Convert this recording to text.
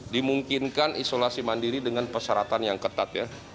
dimungkinkan isolasi mandiri dengan persyaratan yang ketat ya